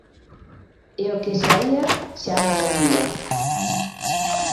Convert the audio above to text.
E o que saía xa non volvía.